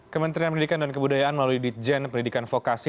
kementerian pendidikan dan kebudayaan melalui ditjen pendidikan vokasi